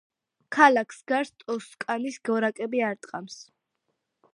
ქალაქს გარს ტოსკანის გორაკები არტყამს.